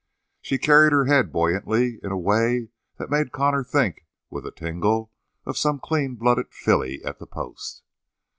She carried her head buoyantly, in a way that made Connor think, with a tingle, of some clean blooded filly at the post.